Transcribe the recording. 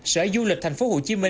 sở du lịch tp hcm